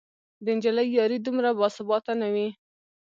د نجلۍ یاري دومره باثباته نه وي